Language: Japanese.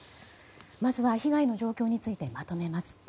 まずは被害の状況についてまとめます。